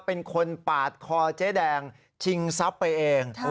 เป็นคนปาดคอเจ๊แดงชิงทรัพย์ไปเอง